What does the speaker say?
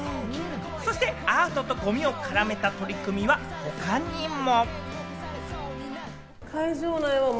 そしてアートとゴミを絡めた取り組みは他にも。